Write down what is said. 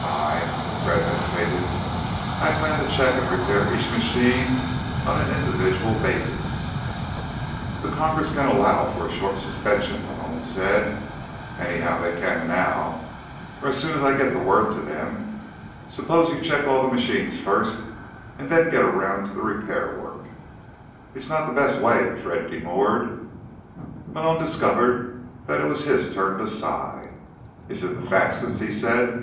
"I—" Fred hesitated. "I had planned to check and repair each machine on an individual basis." "The Congress can allow for a short suspension," Malone said. "Anyhow, they can now, or as soon as I get the word to them. Suppose you check all the machines first, and then get around to the repair work." "It's not the best way," Fred demurred. Malone discovered that it was his turn to sigh. "Is it the fastest?" he said.